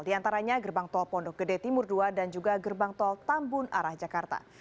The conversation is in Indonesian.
di antaranya gerbang tol pondok gede timur dua dan juga gerbang tol tambun arah jakarta